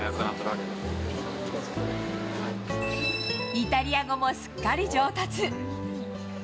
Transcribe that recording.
イタリア語もすっかり上達。